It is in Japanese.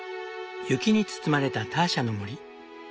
雪に包まれたターシャの森。